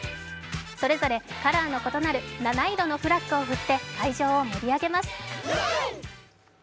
それぞれ、カラーの異なる七色のフラッグを振って、会場を盛り上げます。